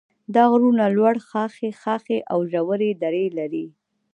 دا غرونه لوړ غاښي غاښي او ژورې درې لري.